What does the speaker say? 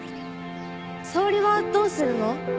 沙織はどうするの？